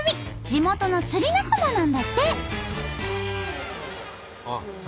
地元の釣り仲間なんだって！